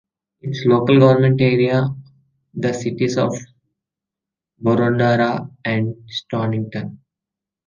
Its local government area are the Cities of Boroondara and Stonnington.